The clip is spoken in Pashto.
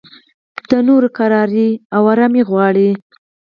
د نورو اسایش او ارام غواړې.